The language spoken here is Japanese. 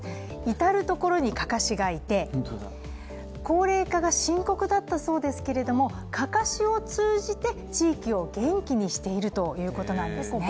至る所にかかしがいて、高齢化が深刻だったそうですけれども、かかしを通じて地域を元気にしているということなんですね。